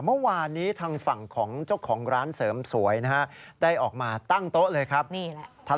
เมื่อวานนี้ทางฝั่งของเจ้าของร้านเสริมสวยนะฮะได้ออกมาตั้งโต๊ะเลยครับนี่แหละ